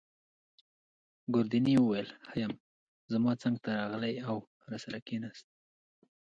ګوردیني وویل: ښه یم. زما څنګته راغلی او راسره کښېناست.